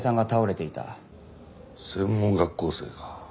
専門学校生か。